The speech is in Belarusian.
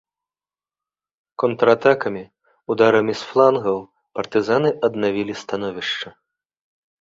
Контратакамі, ударамі з флангаў партызаны аднавілі становішча.